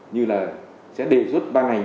như là sẽ đề xuất ban hành